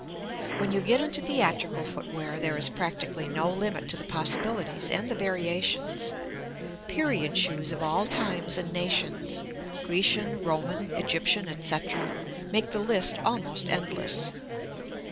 When you get into theatrical footwear, there is practically no limit to the possibilities and the variations. Period shoes of all times and nations Grecian, Roman, Egyptian, etc., make the list almost endless.